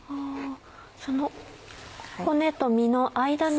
その骨と身の間に。